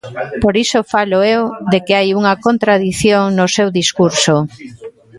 Por iso falo eu de que hai unha contradición no seu discurso.